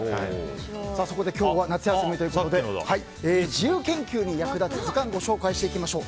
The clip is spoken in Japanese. そこで今日は夏休みということで自由研究に役立つ図鑑をご紹介していきましょう。